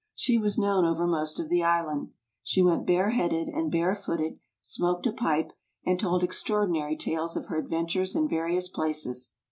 She was known over most of the Island. She went bareheaded and barefooted, smoked a pipe, and told extraordinary tales of her adventures in various places.